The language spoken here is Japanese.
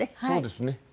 そうですね。